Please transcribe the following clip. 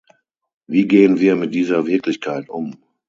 Wie gehen wir mit dieser Wirklichkeit um?